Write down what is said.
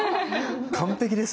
完璧です。